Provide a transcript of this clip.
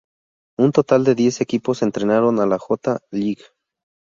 Un total de diez equipos estrenaron la J. League.